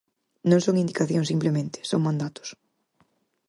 Non son indicacións simplemente, son mandatos.